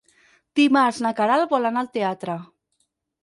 Dimarts na Queralt vol anar al teatre.